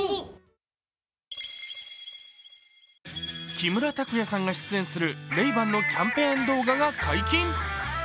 木村拓哉さんが出演するレイバンのキャンペーン動画が解禁。